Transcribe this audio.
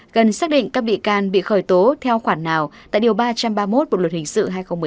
cần xác định các bị can bị khởi tố theo khoản nào tại điều ba trăm ba mươi một bộ luật hình sự hai nghìn một mươi năm